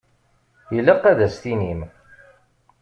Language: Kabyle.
Ilaq ad as-tinim.